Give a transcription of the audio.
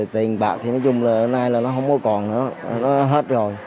tiền bạc thì nói chung là hôm nay nó không có còn nữa nó hết rồi